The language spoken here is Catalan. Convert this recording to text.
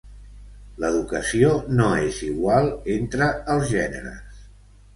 L'educació no és igual entre els gèneres.